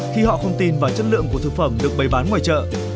khi họ không tin vào chất lượng của thực phẩm được bày bán ngoài chợ